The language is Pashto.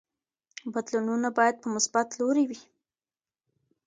بدلونونه باید په مثبت لوري وي.